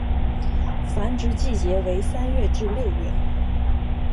繁殖季节为三月至六月。